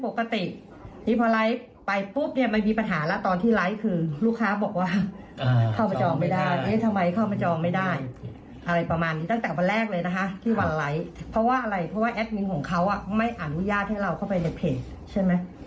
เขาไม่อนุญาตให้เราเข้าไปในเพจใช่ไหม